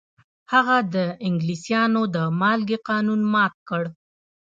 هغه د انګلیسانو د مالګې قانون مات کړ.